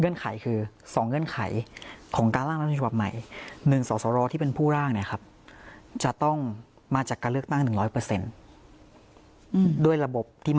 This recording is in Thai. ทำขตุสองเกี่ยวของการลอร์กระมงทางทางชุมใหม่